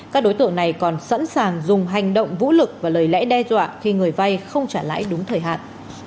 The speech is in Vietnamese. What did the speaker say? các đối tượng này còn sẵn sàng dùng hành động vũ lực và lời lẽ đe dọa khi người vay không trả lãi đúng thời hạn